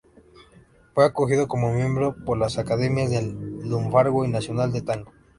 Fue acogido como miembro por las Academias del Lunfardo y Nacional de Tango.